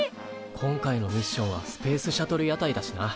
今回のミッションはスペースシャトル屋台だしな。